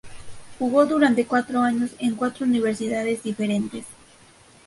Jugó durante cuatro años en cuatro universidades diferentes.